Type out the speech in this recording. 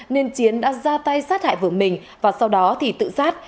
nên chiến đã ra tay sát hại vợ mình và sau đó thì tự sát